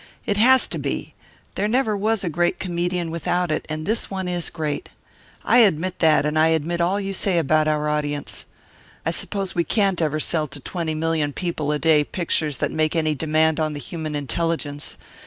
It has to be. There never was a great comedian without it, and this one is great. I admit that, and I admit all you say about our audience. I suppose we can't ever sell to twenty million people a day pictures that make any demand on the human intelligence.